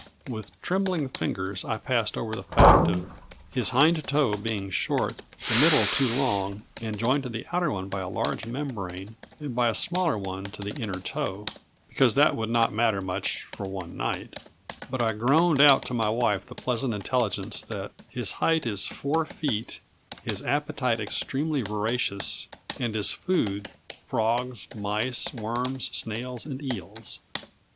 With trembling fingers I passed over the fact of "his hind toe being short, the middle too long, and joined to the outer one by a large membrane, and by a smaller one to the inner toe," because that would not matter much for one night; but I groaned out to my wife the pleasant intelligence that "his height is four feet, his appetite extremely voracious," and "his food frogs, mice, worms, snails, and eels."